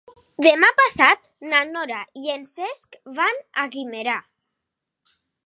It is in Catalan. Demà passat na Nora i en Cesc van a Guimerà.